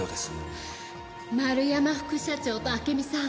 丸山副社長と暁美さん